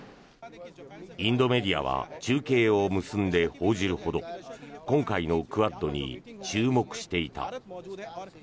インドメディアは中継を結んで報じるほど今回のクアッドに注目していた。